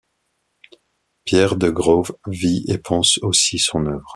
Pierre De Grauw vit et pense aussi son œuvre.